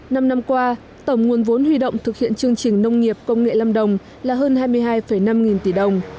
năm năm qua tổng nguồn vốn huy động thực hiện chương trình nông nghiệp công nghệ lâm đồng là hơn hai mươi hai năm nghìn tỷ đồng